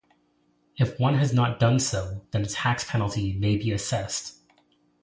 If one has not done so, then a tax penalty may be assessed.